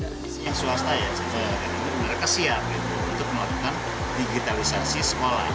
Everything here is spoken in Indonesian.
mereka yang swasta ya mereka siap untuk melakukan digitalisasi sekolah